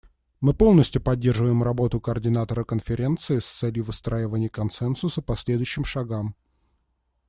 Мы полностью поддерживаем работу координатора конференции с целью выстраивания консенсуса по следующим шагам.